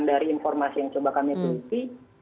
dari informasi yang coba kami teliti